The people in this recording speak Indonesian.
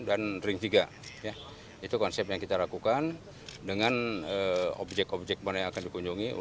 dan ring tiga itu konsep yang kita lakukan dengan objek objek mana yang akan dikunjungi